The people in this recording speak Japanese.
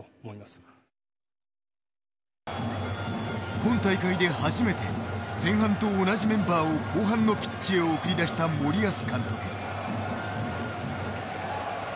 今大会で初めて前半と同じメンバーを後半のピッチへ送り出した森保監督。